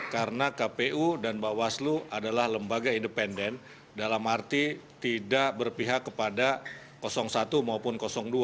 karena kpu dan bawaslu adalah lembaga independen dalam arti tidak berpihak kepada satu maupun dua